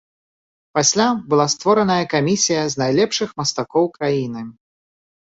Пасля была створаная камісія з найлепшых мастакоў краіны.